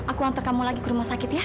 aku antar kamu lagi ke rumah sakit ya